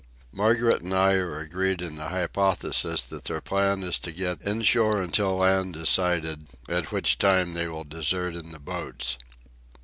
Margaret and I are agreed in the hypothesis that their plan is to get inshore until land is sighted, at which time they will desert in the boats.